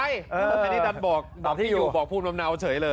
แฮนดี้ตั๊นบอกบอกที่อยู่บอกพูดลำนาวเฉยเลย